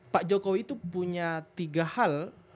pak jokowi itu punya tiga hal